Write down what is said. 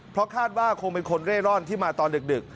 เพราะคาดว่าคงเป็นคนเร่ร่อนที่มาตอนดึก